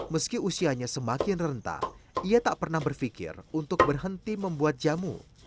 meski usianya semakin rentah ia tak pernah berpikir untuk berhenti membuat jamu